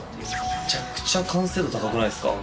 めちゃくちゃ完成度高くないですか？